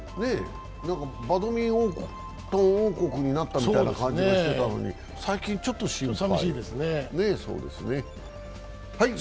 バドミントン王国になったみたいな感じもしてたのに最近、ちょっと心配。